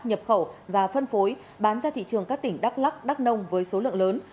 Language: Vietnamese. nhập khẩu và phân phối bán ra thị trường các tỉnh đắk lắc đắk nông với số lượng lớn